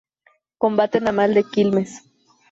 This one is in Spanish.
Combate Naval de Quilmes.